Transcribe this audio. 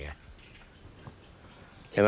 ใช่ไหม